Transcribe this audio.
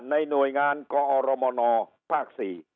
ในหน่วยงานกอรมนภาค๔